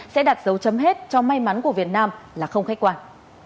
sẽ đặt dấu chấm hết cho may mắn của việt nam là không khách quan